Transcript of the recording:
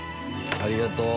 ありがとう。